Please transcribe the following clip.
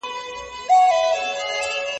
زه به سبا موسيقي اورم!.